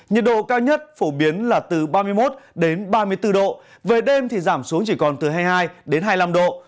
nhiệt độ cao nhất phổ biến là từ ba mươi một đến ba mươi bốn độ về đêm thì giảm xuống chỉ còn từ hai mươi hai đến hai mươi năm độ